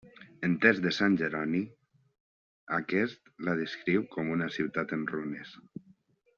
En temps de sant Jerònim, aquest la descriu com una ciutat en runes.